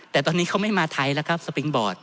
แต่ตอนนี้เขาไม่มาไทยแล้วครับสปิงบอร์ด